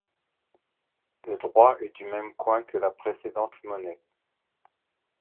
Le droit est du même coin que la précédente monnaie.